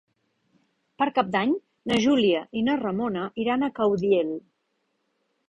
Per Cap d'Any na Júlia i na Ramona iran a Caudiel.